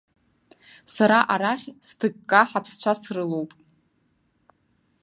Сара арахь сҭыкка ҳаԥсцәа срылоуп.